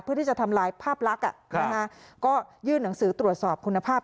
เพื่อที่จะทำลายภาพลักษณ์ก็ยื่นหนังสือตรวจสอบคุณภาพ